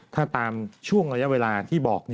ถ้าตามช่วงระยะเวลาที่บอก